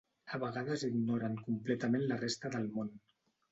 A vegades ignoren completament la resta del món.